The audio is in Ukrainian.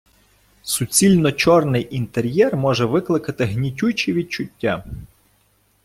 Суцільно чорний інтер'єр може викликати гнітючі відчуття.